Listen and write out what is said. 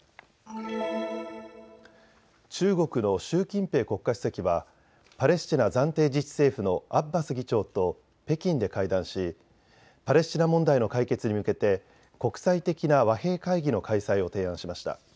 中国の習近平国家主席はパレスチナ暫定自治政府のアッバス議長と北京で会談しパレスチナ問題の解決に向けて国際的な和平会議の開催を提案しました。